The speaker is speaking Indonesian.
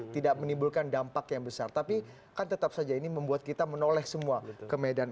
tidak menimbulkan dampak yang besar tapi kan tetap saja ini membuat kita menoleh semua ke medan